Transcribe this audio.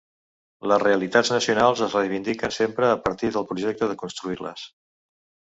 Les realitats nacionals es reivindiquen sempre a partir del projecte de construir-les.